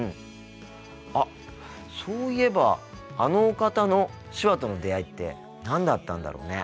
あっそういえばあのお方の手話との出会いって何だったんだろうね。